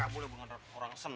gak boleh banget orang seneng